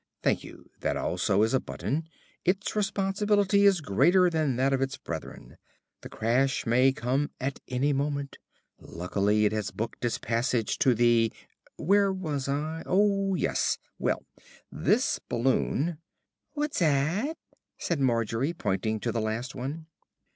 "Thank you. That also is a button. Its responsibility is greater than that of its brethren. The crash may come at any moment. Luckily it has booked its passage to the where was I? Oh yes well, this balloon " "What's 'at?" said Margery, pointing to the last one.